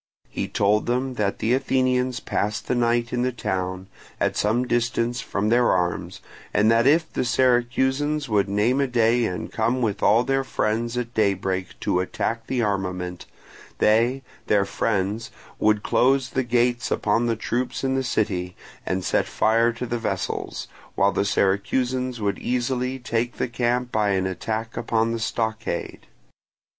He told them that the Athenians passed the night in the town, at some distance from their arms, and that if the Syracusans would name a day and come with all their people at daybreak to attack the armament, they, their friends, would close the gates upon the troops in the city, and set fire to the vessels, while the Syracusans would easily take the camp by an attack upon the stockade.